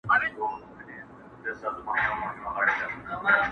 هم د بابا، هم د نیکه، حماسې هېري سولې!